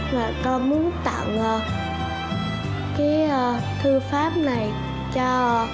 mà con muốn tặng cái thư pháp này cho